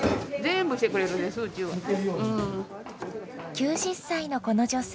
９０歳のこの女性。